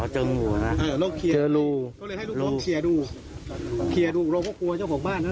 อ๋อเจอหูอ่ะครับเจอรูเขาเลยให้ลูกน้องเขียนดูเขียนดูเราก็กลัวเจ้าของบ้านฮะ